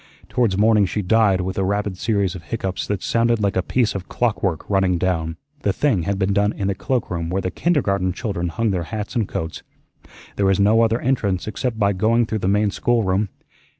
Towards morning she died with a rapid series of hiccoughs that sounded like a piece of clockwork running down. The thing had been done in the cloakroom where the kindergarten children hung their hats and coats. There was no other entrance except by going through the main schoolroom.